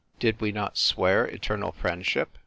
"Did we not swear eternal friendship?"